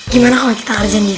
gimana kalau kita arjan dia